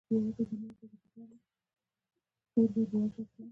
ميرويس خان پر کټ کېناست.